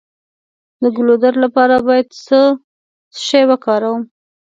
د ګلو درد لپاره باید څه شی وکاروم؟